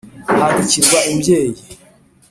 ahanikirwa imbyeyi